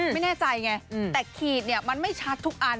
ไม่แน่ใจไงแต่ขีดมันไม่ชัดทุกอัน